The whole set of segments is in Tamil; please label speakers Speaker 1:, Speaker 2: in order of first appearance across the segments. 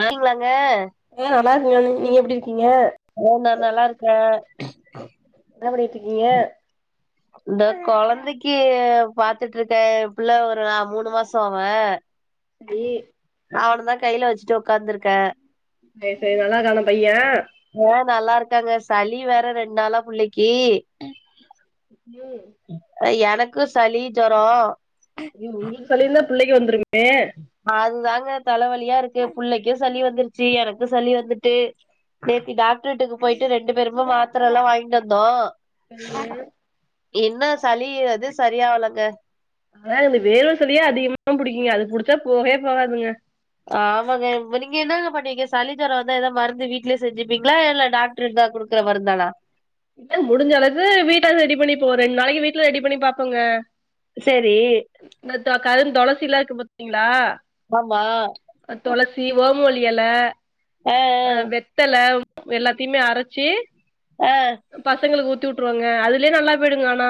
Speaker 1: நாங்ளாங்க
Speaker 2: ஆ நல்லா இருக்கீங்க நீங்க எப்டி இருக்கீங்க
Speaker 1: உ நா நல்லா இருக்கே
Speaker 2: என்ன பண்ணிட்டுருக்கீங்க
Speaker 1: இந்த கொழந்தைக்கு பாத்துட்டுருக்கே ஏப்புள்ள ஒரு நா மூணு மாசோ அவ
Speaker 2: சரி
Speaker 1: அவனதா கைல வச்சிட்டு ஒக்காந்துருக்கே
Speaker 2: சேரி சேரி நல்லா இருக்கானா பையே
Speaker 1: ஆ நல்லா இருக்காங்க சளி வேற ரெண்டு நாளா புள்ளைக்கி
Speaker 2: ஏ
Speaker 1: எனக்கு சளி ஜோரோ
Speaker 2: ம் உங்களுக்கு சளி இருந்தா புள்ளைக்கி வந்துருமே
Speaker 1: அதுதாங்க தலவலியா இருக்கு புள்ளைக்கு சளி வந்துருச்சி எனக்கு சளி வந்துட்டு நேத்தி டாக்டர் வீட்டுக்கு போயிட்டு ரெண்டு பேருமே மாத்தர எல்லா வாங்கிட்டு வந்தோ
Speaker 2: சரிங்க
Speaker 1: இன்ன சளி அது சரியாவலங்க
Speaker 2: ஆனா இந்த வேர்வ சளியே அதிகமா புடிக்குங்க அது புடிச்சா போவே போவாதுங்க
Speaker 1: ஆமாங்க இப்ப நீங்க என்னங்க பண்ணுவீங்க சளிஜோரோ வந்தா ஏதா மருந்து வீட்லயே செஞ்சிப்பீங்களா இல்ல டாக் டர்ருந்தா குடுக்குற மருந்து தானா
Speaker 2: ஏ முடிஞ்ச அளவுக்கு வீட்டா ரெடி பண்ணிப்போ ரெண் நாளைக்கி வீட்ல ரெடி பண்ணி பாப்பேங்க
Speaker 1: செரி
Speaker 2: இந்த கருந்தொளசில்லா இருக்கு பாத்தீங்களா
Speaker 1: ஆமா
Speaker 2: தொளசி ஓமவல்லி எல ஆ வெத் தல எல்லாத்தயுமே அரச்சி
Speaker 1: ஆ
Speaker 2: பசங்களுக்கு ஊத்தி விட்டுருவேங்க அதுலயே நல்லா போயிடுங்க ஆனா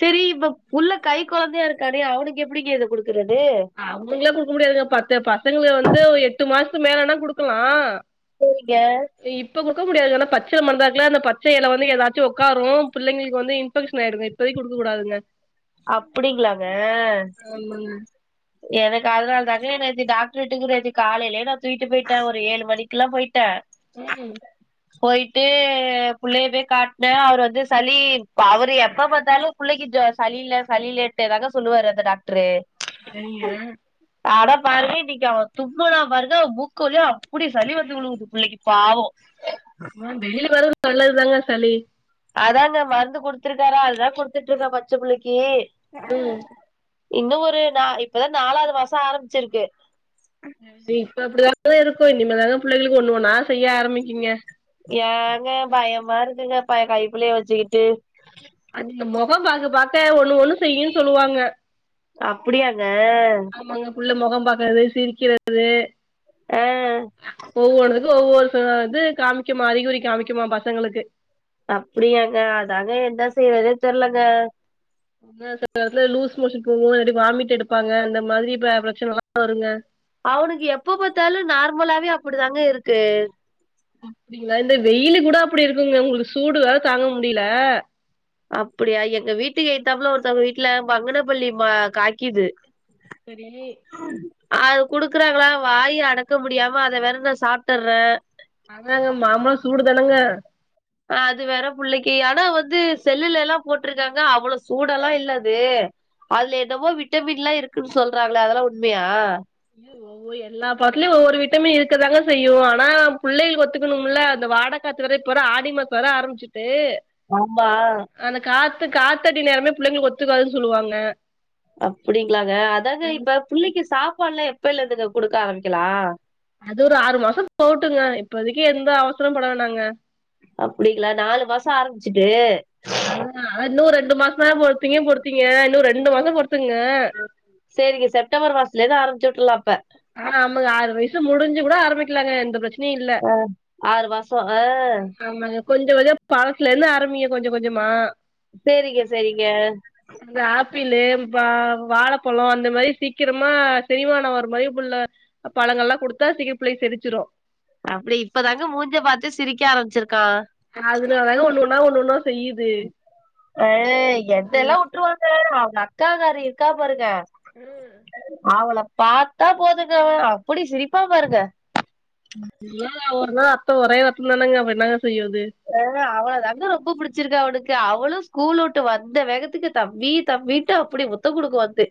Speaker 1: செரி இப்ப புள்ள கை கொழந்தையா இருக்கானே அவனுக்கு எப்டிங்க இத குடுக்குறது
Speaker 2: அவுங்களுக்குல்லா குடுக்க முடியாதுங்க பத்து பசங்க வந்து எட்டு மாசத்துக்கு மேலன்னா குடுக்கலா
Speaker 1: சேரிங்க
Speaker 2: இப்ப குடுக்க முடியாது ஏன்னா பச்எல மருந்தா இருக்குல அந்த பச்ச எல வந்து ஏதாச்சு ஒக்காரு பிள்ளைங்களுக்கு வந்து இன்பெக்ஷன் ஆயிடுங்க இப் போய் குடுக்க கூடாதுங்க
Speaker 1: அப்டிங்களாங்க
Speaker 2: ம்
Speaker 1: எனக்கு அதுனாலதாங்க நேத்தி டாக்டர் வீட்டுக்கு நேத்து காலேலயே நா தூக்கிட்டு போயிட்டே ஒரு ஏழு மணிக்குல்லா போயிட்டே
Speaker 2: ம்
Speaker 1: போயிட்டு பிள்ளைய போய் காட்னே அவரு வந்து சளி அவரு எப்ப பாத்தாலு புள்ளைக்கி ஜோ சளி இல்ல சளி இல்லன்டே தாங்க சொல்லுவாரு அந்த டாக்டரு
Speaker 2: சரிங்க
Speaker 1: அட பாருங்க இன்னக்கி அவே தும்முனா பாருங்க மூக்கு வழியா அப்டி சளி வந்து விழுகுது பிள்ளைக்கி பாவோ
Speaker 2: ஆ வெளில வர்றது நல்லது தாங்க சளி
Speaker 1: அதாங்க மருந்து குடுத்துருக்காரா அதுதா குடுத்துட்டுருக்கே பச்ச புள்ளைக்கி
Speaker 2: ம்
Speaker 1: இன்னு ஒரு நா இப்பதா நாலாது மாசோ ஆரம்பிச்சிருக்கு
Speaker 2: செரி இப்ப அப்டிதாங்க இருக்கு இனிமேதாங்க புள்ளைங்களுக்கு ஒண்ணு ஒண்ணா செய்ய ஆரம்பிக்குங்க
Speaker 1: ஏங்க பயமா இருக்குங்க ப கைப்புள்ளைய வச்சிக்கிட்டு
Speaker 2: அதுங்க மொகோ பாக்க பாக்க ஒண்ணு ஒண்ணு செய்யுன்னு சொல்லுவாங்க
Speaker 1: அப்டியாங்க
Speaker 2: ஆமாங்க புள்ள மொகோ பாக்குறது சிரிக்கிறது
Speaker 1: ஆ
Speaker 2: ஒவ்வொரு இதுக்கு ஒவ்வொரு ச இது காமிக்குமா அறிகுறி காமிக்குமா பசங்களுக்கு
Speaker 1: அப்டியாங்க அதாங்க என்ன செய்றதுன்னே தெரிலங்க
Speaker 2: அதா செல இடத்துல லூஸ் மோஷன் போகு இல்லாட்டி வாமிட் எடுப்பாங்க அந்த மாதிரி பிர பிரச்சனல்லா வருங்க
Speaker 1: அவ்னுக்கு எப்ப பாத்தாலும் நார்மலாவே அப்டி தாங்க இருக்கு
Speaker 2: அப்டிங்களா இந்த வெயில் கூட அப்படி இருக்குங்க உங்ளுக்கு சூடு வேறு தாங்க முடியல
Speaker 1: அப்படியா எங்க வீட்டுக்கு ஏத்தாப்ல ஒருத்தவங்க வீட்டுல மங்கன பள்ளி மா காக்கிது
Speaker 2: சரி
Speaker 1: அது குடுக்குறாங்களா வாயி அடக்க முடியாம அத வேற நா சாப்ட்டுறேன்
Speaker 2: அதாங்க மாமா சூடு தானுங்க
Speaker 1: அ அது வேற புள்ளைக்கு ஆனா வந்து செல்லுல எல்லாம் போட்டிருக்காங்க அவ்ளோ சூடெல்லாம் இல்ல அது அதுல என்னவோ விட்டமின்ல்லா இருக்குன்னு சொல்றாங்களே அதெல்லாம் உண்மையா
Speaker 2: [unintelligible] எல்லா பார்ட்லையும் ஒவ்வொரு விட்டமின் இருக்கதாங்க செய்யும் ஆனா புள்ளைக்கு ஒத்துக்கணும்ல அந்த வாட காத்து வேற இப்ப வர ஆடி மாசம் வர ஆரம்பிச்சிட்டு
Speaker 1: ஆமா
Speaker 2: அந்த காத்து காத்த அடி நேரமே புள்ளைங்களுக்கு ஒத்துக்காதுன்னு சொல்லுவாங்க
Speaker 1: அப்படிங்களாங்க அதாக இப்ப பிள்ளைக்கு சாப்பாடு எல்லா எப்பேலந்துங்க குடுக்க ஆரம்பிக்கலா
Speaker 2: அது ஒரு ஆறு மாசம் போட்டுங்க இப்பதக்கி எந்த அவசரம் பட வேனாங்க
Speaker 1: அப்படிங்களா நாலு மாசம் ஆரம்பிச்சுட்டு
Speaker 2: அத இன்னுரு ரெண்டு மாசம் தா பொறுத்தீங்க பொறுத்தீங்க இன்னு ரெண்டு மாசம் பொறுத்துங்க
Speaker 1: செரிங்க செப்டம்பர் மாசத்துல இந்து ஆரம்பிச்சுவிட்ருலா அப்ப
Speaker 2: ஆ ஆமாங்க ஆறு வயசு முடிஞ்சு கூட ஆரம்பிக்கலாங்க எந்த பரச்ச னியுஇல்ல
Speaker 1: அ ஆறு மாசோ ஆ
Speaker 2: ஆமாங்க கொஞ்சம் கொஞ்சம் பாழத்துல இருந்து ஆரமிங்க கொஞ்சம் கொஞ்சமா
Speaker 1: செரிங்க செரிங்க
Speaker 2: இந்த ஆப்பிளு, வா வாழப்பலோ அந்த மாரி சீக்கிரமா செரிமான மாற மாரி புள்ள பழங்கல்லா கொடுத்தா சிறுப்புள்ளைக்கு செரிச்சிரு
Speaker 1: அப்டி இப்பதாங்க மூஞ்ச பாத்து சிரிக்க ஆரம்பிச்சிருக்கான்
Speaker 2: அதுனாலங்க ஒண்ணு ஒன்னா ஒண்ணு ஒண்ணா செய்யுது
Speaker 1: அ
Speaker 2: ம்.
Speaker 1: என்னெல்லா வுட்ருவாங்க அவங்க அக்காகாரி இருக்கா பாருங்க
Speaker 2: ம்
Speaker 1: அவள பாத்தா போதுங்க அப்டி சிரிப்பான் பாருங்க
Speaker 2: ஒரே ரத்தோ ஒரே ரத்தோ தானங்க அப்ப என்னங்க செய்யறது
Speaker 1: அன் அவள தாங்க ரொம்ப புடிச்சிருக்க அவனுக்கு அவளும் ஸ்கூல்ல வுட்டு வந்த வேகத்துக்கு தம்பி தம்பி ன்ட்டு அப்படி முத்த குடுக்குன் வந்து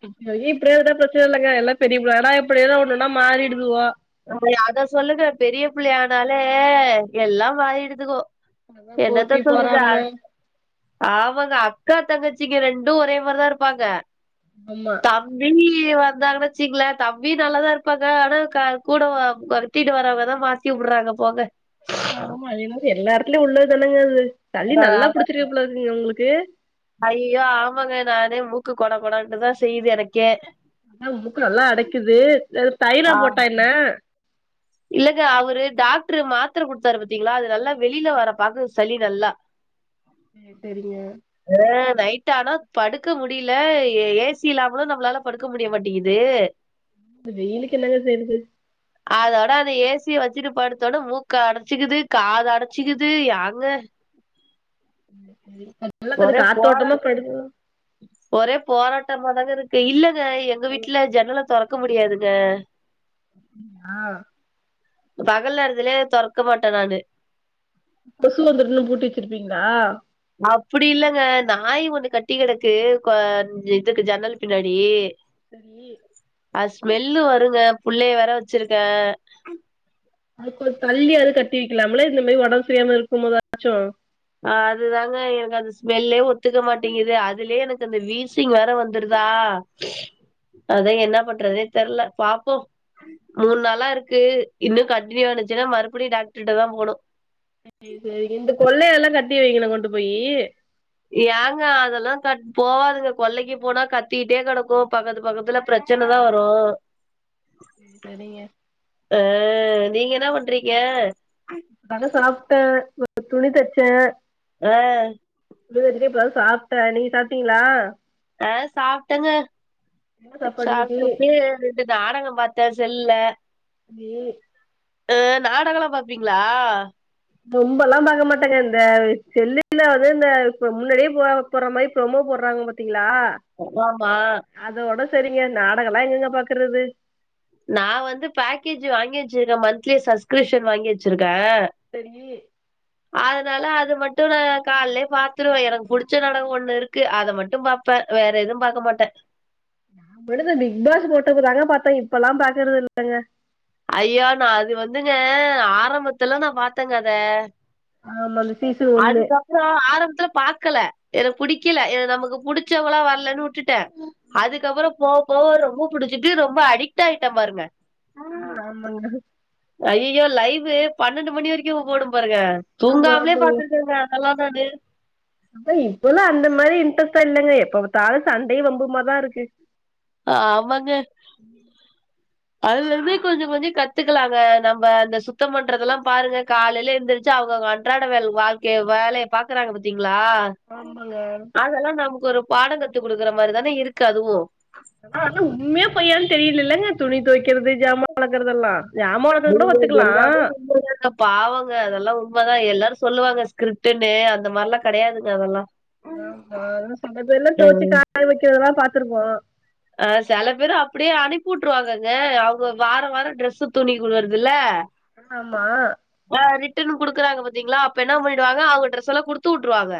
Speaker 2: [unintelligible] இப்படியே விட்டா ப்ரச்சன இல்லங்க எல்லாம் சரியா போயிருன் ஆனா எப்படி ஏதோ ஒண்ணும்னா மாறிடுதுவோ
Speaker 1: அ அத சொல்லுங்க பெரிய புள்ளை ஆனாலே எல்லாம் மாறிடுத்துகோ
Speaker 2: அதா
Speaker 1: என்ன
Speaker 2: போட்டி
Speaker 1: த சொல்றாது
Speaker 2: பொறாம
Speaker 1: அ ஆமாங்க அக்கா தங்கச்சிங்க ரெண்டும் ஒரே மாரி தா இருப்பாங்க
Speaker 2: ஆமா
Speaker 1: தம்பி வந்தாங்கன்ன வச்சுங்களேன் தம்பி நல்லாதா இருப்பாங்க ஆனா கா கூட [unintelligible] தீட்டு வரவங்கதா மாத்தி புடுறாங்க போங்க
Speaker 2: ஆமா அது என்னமோ எல்லாடத்துலயு உள்ள தானேங்க அது சளி
Speaker 1: ஆ,
Speaker 2: நல்லா புடிச்சிருக்குப்போலருக்குங்க உங்களுக்கு
Speaker 1: ஐய்யயோ ஆமாங்க நானே மூக்கு கொட கொடண்ட்டுதா செய்யுது எனக்கே
Speaker 2: மூக்கு நல்லா அடைக்குது
Speaker 1: ஆ,
Speaker 2: தயிலோன் போட்டா என்ன
Speaker 1: இல்லங்க அவரு டாக்டரு மாத்திர கொடுத்தாரு பத்தீங்களா அது நல்லா வெளியில வர பாக்குது சளி நல்லா
Speaker 2: செரி செரிங்க
Speaker 1: அ நைட்டானா படுக்க முடியல ஏ சி இல்லாமலு நம்மளால படுக்க முடிய மாட்டேன்கிது
Speaker 2: வெய்லுக்கு என்னங்க செய்றது
Speaker 1: அதா ஆனா அத ஏசிய வச்சுட்டு படுத்தாலுட மூக்க அடச்சிக்குது காது அடச்சிக்குது ஏங்க
Speaker 2: ம் கொஞ்சல்ல கொஞ்சோ
Speaker 1: ஒரே போரா
Speaker 2: காத்தோட்டமா படுத்து
Speaker 1: ஒரே போராட்டமாதாங்கருக்கு இல்லங்க எங்க வீட்ல ஜன்னல திறக்க முடியாதுங்க
Speaker 2: ஆ
Speaker 1: பகல் நேரதுலே தெறக்க மாட்டே நானு
Speaker 2: கொசு வந்துருன்னு பூட்டி வச்சிருப்பீங்களா
Speaker 1: அப்டி இல்லங்க நாய் ஒண்ணு கட்டி கிடக்கு க இதுக்கு ஜன்னல் பின்னாடி
Speaker 2: சரி
Speaker 1: அது ஸ்மெல்லு வருங்க பிள்ளைய வேற வச்சிருக்கே
Speaker 2: அது தள்ளியாது கட்டி வைக்கலாமல இந்த மாரி உடம்பு சரியில்லாமருக்கும் போதாச்சு
Speaker 1: ஆ அதுதாங்க எனக்கு அந்த ஸ்மெல்லே ஒத்துக்க மாட்டேங்குது அதுலே எனக்கு அந்த வீசிங் வேற வந்துருதா அதா என்ன பண்றதுனே தெரில பாப்போ மூணு நாளாருக்கு இன்னு கண்டடினியூ ஆச்சுன்னா மறுபடியு டாக்டர்கிட்ட தா போணு
Speaker 2: சரிங்க இந்த கொள்ளைல எல்லா கட்டி வைங்களே கொண்டு போயி
Speaker 1: ஏங்க அதெல்லா கட் போவாதுங்க கொள்ளைக்கு போனா கத்திட்டே கிடக்கு பக்கத்து பக்கத்துல பிரச்ச சினதா வரு
Speaker 2: சரிங்க
Speaker 1: அ நீங்க என்ன பண்றீங்க
Speaker 2: இப்ப தாங்க சாப்ட்டே துணி தொவச்சே
Speaker 1: அ
Speaker 2: [unintelligible] சாப்ட்டே நீங்க சாப்டீங்களா
Speaker 1: அ சாப்ட்டேங்க
Speaker 2: என்ன சாப்பாடு இன்னைக்கி
Speaker 1: சாப்ட்டுட்டு நாடகோ பாத்தே செல்லுல
Speaker 2: [unintelligible]
Speaker 1: அ நாடகோலா பாப்பீங்களா
Speaker 2: ரொம்பெல்லா பாக்க மாட்டேங்க இந்த செல்லுல வந்து இந்த இப்ப முன்னாடியே போ போற மாரி ப்ரோமோ போடுறாங்க பாத்தீங்களா
Speaker 1: ஆமா
Speaker 2: அதோட சரிங்க நாடகோல்லா எங்கெங்க பாக்குறது
Speaker 1: நா வந்து பேக்கேஜ் வாங்கி வச்சிருக்கே மந்த்லி சப்ஸ்கிரிப்ஷன் வாங்கி வச்சிருக்கே
Speaker 2: செரி
Speaker 1: அதனால அது மட்டு நா காலைலே பாத்தருவே எனக்கு பிடிச்ச நாடகோ ஒண்ணு இருக்கு அத மட்டு பா இப்ப வேற எதுவு பாக்க மாட்டே
Speaker 2: முடுது பிக் பாஸ் போட்டக்கு தாங்க பாத்தே இப்பெல்லா பாக்கறது இல்லங்க
Speaker 1: ஐயோ நா அது வந்துங்க ஆரம்பத்துல நா பாத்தேங்க அத
Speaker 2: ஆமா அந்த சீசன் ஒண்ணு
Speaker 1: நா ஆரம்பத்துல பாக்கல எனக்கு புடிக்கல இது நமக்கு புடிச்சவங்களா வரலன்னு வுட்டுட்டே அதுக்கப்புற போக போக ரொம்ப புடிச்சிட்டு ரொம்ப அடிக்ட் ஆயிட்டே பாருங்க
Speaker 2: ஆமாங்க
Speaker 1: ஐயயோ லைவு பன்னெண்டு மணி வரைக்கு ஓடும் பாருங்க
Speaker 2: ஆமா
Speaker 1: தூங்காமலே
Speaker 2: ஆமாங்க
Speaker 1: பாத்துருக்கேங்க எல்லாம் நானு
Speaker 2: அப்ப இப்பலா அந்த மாரி இன்ட்ரெஸ்ட்டா இல்லங்க எப்ப பாத்தாலு சண்டேயு வம்புமாதாருக்கு
Speaker 1: ஆமாங்க அதுலருந்து கொஞ்ச கொஞ்சோ கத்துக்கலாங்க நம்ப அந்த சுத்த பண்றதுலா பாருங்க காலேல எந்திரி சு அவங்கவுங்க அன்றாட வேல் வாழ்க்கைய வேலய பாக்குறாங்க பாத்தீங்களா
Speaker 2: ஆமாங்க
Speaker 1: அதெல்லா நமக்கு ஒரு பாட கத்து குடுக்குற மாரிதான இருக்கு அதுவு
Speaker 2: ஆ ஆனா உண்மையா பொய்யானனு தெரியலல்லங்க துணி தொவைக்கிறது ஜாமா வெளக்கறதெல்லா ஜாமா வெளக்குறது கூட
Speaker 1: ஐயய்யோ
Speaker 2: ஒத்துக்கலா
Speaker 1: எல்லாமேங்க பாவங்க அதெல்லா உண்மை தா எல்லாரு சொல்லுவாங்க ஸ்கிரிப்டன்னு அந்த மாரிலா கிடையாதுங்க அதெல்லா
Speaker 2: ஆ செல பேர்லா தொவச்சு காய வைக்கதெல்லா பாத்துருப்போ
Speaker 1: அ செல பேரு அப்டியே அனுப்பி விட்டுருவாங்கங்க அவங்க வார வார ட்ரெஸ் துணி குடுறது இல்ல
Speaker 2: ஆமா
Speaker 1: அ ரிட்டன் குடுக்குறாங்க பாத்தீங்களா அப்ப என்ன பண்ணிடுவாங்க அவுங்க ட்ரெஸ் எல்லா குடுத்து விட்டுருவாங்க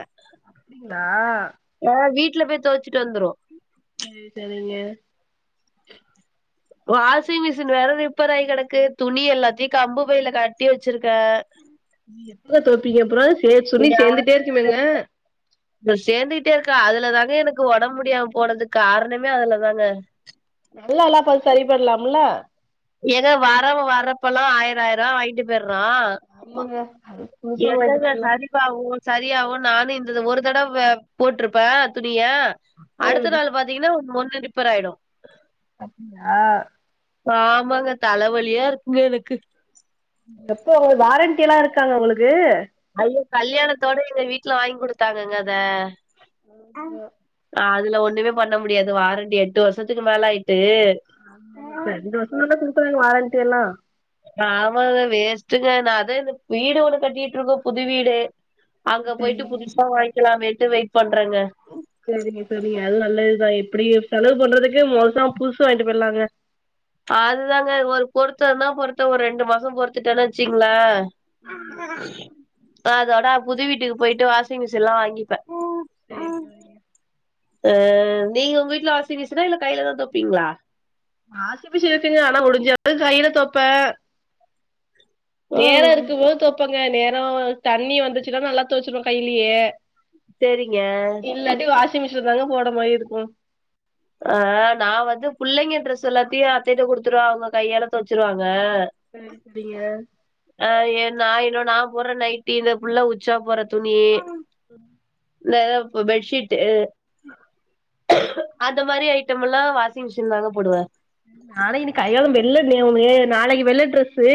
Speaker 2: டிங்களா
Speaker 1: அ வீட்டுல பேய் துவச்சிட்டு வந்துரு
Speaker 2: சரி சரிங்க
Speaker 1: வாஷிங் மிஷின் வேற ரிப்பர் ஆகி கிடக்கு துணி எல்லாத்தையு கம்பு பையில கட்டி வச்சிருக்கே
Speaker 2: எப்ப தொவப்பீங்க அப்புற சேர் துணி சேந்துட்டே இருக்குமேங்க
Speaker 1: சேந்துகிட்டே இருக்கா அதுலதாங்க எனக்கு உடம்பு முடியாம போனதுக்கு காரணமே அதுலதாங்க
Speaker 2: நல்லா எல்லா பா சரி பண்லாம்ல
Speaker 1: ஏதோ வரவு வரப்பெல்லா ஆயிராயிரா வாங்கிட்டு பேய்யிறோ
Speaker 2: ஆமங்க
Speaker 1: எந்தத சரி காவு சரியாவு நானு இந்த ஒரு தடவ போட்டிருப்பே துணிய அடுத்த
Speaker 2: ம்
Speaker 1: நாளு பாத்தீங்கன்னா ஒண்ணு ரிப்பர் ஆயிடு
Speaker 2: அப்டியா
Speaker 1: ஆமங்க தலவலியா இருக்குங்க எனக்கு
Speaker 2: எப்போ உங்க வாரண்டில்லா இருக்காங்க உங்களுக்கு
Speaker 1: ஐய கல்யாணத்தோட எங்க வீட்டுல வாங்கி கொடுத்தாங்கங்க அத அதுல ஒண்ணுமே பண்ண முடியாது வாரண்டி எட்டு வருஷத்துக்கு மேல ஆயிட்டு
Speaker 2: ஆம இப்ப ரெண்டு வர்ஷல்ல குடுத்தாங்க வாரண்டி எல்லா
Speaker 1: ஆமாங்க வேஸ்ட்டுங்க நா அதா இந்த வீடு ஒண்ணு கட்டிட்டு இருக்கோ புது வீடு அங்க
Speaker 2: ம் சரிங்க
Speaker 1: போயிட்டு புதுசா வாங்கிக்கலாமேண்ட்டு வெயிட் பண்றேங்க
Speaker 2: சரிங்க சரிங்க அது நல்லதுதா இப்டி செலவு பண்றதுக்கு மோசமா புதுசு வாங்கிட்டு போய்ர்லாங்க
Speaker 1: அதுதாங்க ஒரு பொறுத்தன்னா பொறுத்த ஒரு ரெண்டு மாச பொறுத்துட்டோனு வச்சுக்கங்களே
Speaker 2: ம்
Speaker 1: அதோட புது வீட்டுக்கு போயிட்டு வாஷிங் மிஷின் லா வாங்கிப்பே
Speaker 2: சேர் சரிங்க
Speaker 1: அ நீங்க உங்க வீட்ல வாசிங் மிஷனா இல்ல கையில தான தொப்பீங்களா
Speaker 2: வாஷிங்மிஷின் இருக்குங்க ஆனா முடிஞ்சளவு கைல தொப்பே நேர
Speaker 1: ம்.
Speaker 2: இருக்கும்போது துவைப்பங்க நேர தண்ணி வந்துச்சுன்னா நல்லா துவைச்சுருவே கைலயே
Speaker 1: சேரிங்க
Speaker 2: இல்லாட்டி வாஷிங் மிஷின்ல தாங்க போடர் மாரி இருக்கு
Speaker 1: அ நா வந்து பிள்ளைங்க ட்ரெஸ் எல்லாத்தையு அத்தைட்ட கொடுத்துருவ அவங்க கையால தொவச்சிருவாங்க
Speaker 2: சேரி சரிங்க
Speaker 1: அ ஏ நா இன்னு நா போட்ற நைட்டி இந்த புள்ள உச்சா போற துணி
Speaker 2: ம்
Speaker 1: இல்ல ஏதா போ பெட்ஷீட் அந்த மாரி ஐட்டம் எல்லாம் வாஷிங் மிஷின் தாங்க போடுவே
Speaker 2: நாளைக்குன்ன கையாளம் வெளிலனே உன்னு நாளைக்கு வெளில ட்ரெஸ்ஸு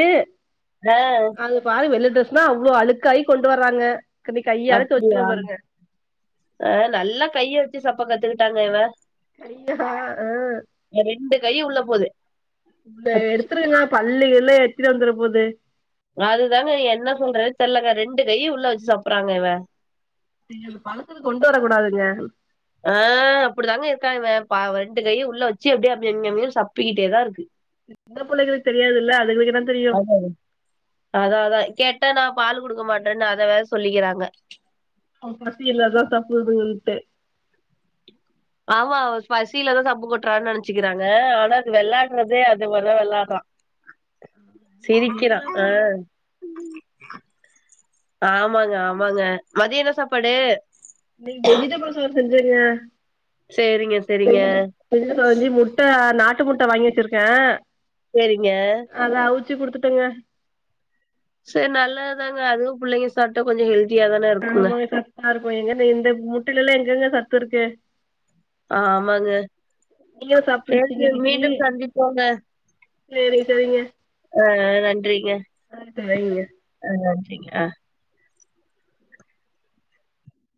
Speaker 1: தா
Speaker 2: அது பாரு வெள்ள ட்ரெஸ்னா அவ்வளோ அழுக்காயி கொண்டு வர்றாங்க இன்னைக்கு கையால தொவச்சுருவ
Speaker 1: அப்டியா
Speaker 2: பாருங்க
Speaker 1: ஆ நல்லா கைய வச்சு சாப்ப கத்துக்கிட்டாங்க இல
Speaker 2: அய்யஹா அ
Speaker 1: ஏ ரெண்டு கையு உள்ள போது அச்
Speaker 2: எடுத்துருக்ங்களா பள்ளிகள் எல்லா எத்துட்டு வந்துரு போகுது
Speaker 1: அதுதாங்க என்ன சொல்றதே தெரிலங்க ரெண்டு கை உள்ள வச்சு சாப்படுறாங்க இவ
Speaker 2: சரி அது பழத்து கொண்டு வரக் கூடாதுங்க
Speaker 1: ஆ அப்டித்தாங்க இருக்கா இவ பா வெண்டு கை உள்ள வச்சு அப்படியே கியம் யம் அப்படினு சப்பிக்கிட்டேதா இருக்கு
Speaker 2: சின்ன புல்லைகலுகு தெரியாதுல அதுகளுக் என்ன தெரியு
Speaker 1: அதான் அதான் கேட்ட நான் பால் கொடுக்க மாட்டேன்னு அத வேற சொல்லிக்கிறாங்க
Speaker 2: அவ பசிலதா சாப்புதுங்கன்ட்டு
Speaker 1: ஆமா அவா பசியிலதான் சப்பு கொட்டுறான்னு நனைச்சக்கிறாங்க ஆனா அது விளாடுறதே இந்தமாரிலா விளாடுறா
Speaker 2: பிள்ளைகளா
Speaker 1: சிரிக்கிறான் ஆ
Speaker 2: அப்டிதான
Speaker 1: ஆமாங்க ஆமாங்க மதிய என்ன சாப்பாடு
Speaker 2: இன்னைக்கு வெஜிடபிள் சதோ செஞ்சங்க
Speaker 1: சேரிங்க சேரிங்க
Speaker 2: வெஜிட [unintelligible] முட்ட நாட்டு முட்ட வாங்கி வச்சிருக்க
Speaker 1: செரிங்க
Speaker 2: அத அவுச்சி குடுத்துட்டங்க
Speaker 1: செரி நல்லதாங்க அதுவு புள்ளைங்க சாப்ட்டா கொஞ்சோ ஹெல்
Speaker 2: ஆமா சத்தா இருக்கூ எங்கன்ன இந்த முட்டையில எல்லா எங்கெங்க சத்து இருக்கு
Speaker 1: ஆமாங்க
Speaker 2: நீங்களு சாப்ட்டு
Speaker 1: செர்
Speaker 2: முடிச்சீங்க
Speaker 1: செரி மீண்டு சந்திப்போங்க
Speaker 2: சரிரி சரிங்க அ சரிங்க
Speaker 1: ஆ சரிங்க